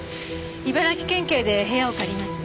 茨城県警で部屋を借ります。